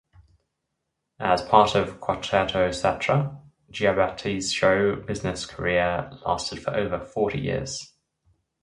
As part of Quartetto Cetra, Giacobetti's show business career lasted for over forty years.